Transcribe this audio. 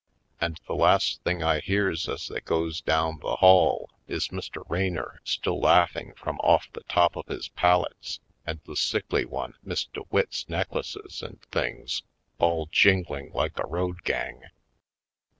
And the last thing I hears as they goes down the hall is Mr. Raynor still laughing from off the top of his palates and the sickly one, Miss DeWitt's necklaces and things all jingling like a road gang.